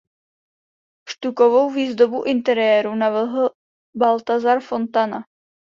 Štukovou výzdobu interiéru navrhl Baltazar Fontana.